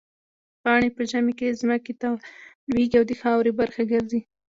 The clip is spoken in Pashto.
پاڼې په ژمي کې ځمکې ته لوېږي او د خاورې برخه ګرځي.